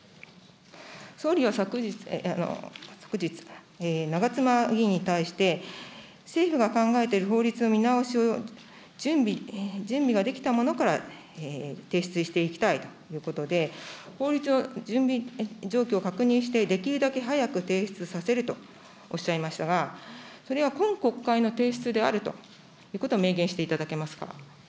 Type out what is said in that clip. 総理は昨日、長妻議員に対して、政府が考えている法律の見直しを、準備ができたものから提出していきたいということで、法律の準備状況を確認して、できるだけ早く提出させるとおっしゃいましたが、それは今国会の提出であるということを明言していただけますか。